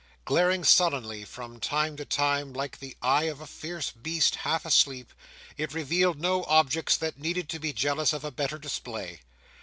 Glaring sullenly from time to time like the eye of a fierce beast half asleep, it revealed no objects that needed to be jealous of a better display.